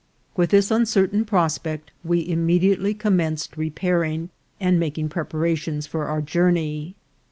With this uncertain prospect we immediately commenced repairing and making preparations for our journey.